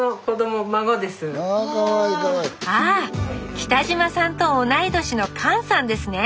北島さんと同い年の勘さんですね。